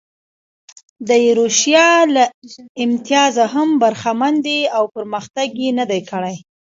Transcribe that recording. د ایروشیا له امتیازه هم برخمن دي او پرمختګ یې نه دی کړی.